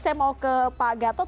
saya mau ke pak gatot